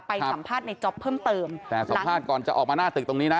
สัมภาษณ์ในจ๊อปเพิ่มเติมแต่สัมภาษณ์ก่อนจะออกมาหน้าตึกตรงนี้นะ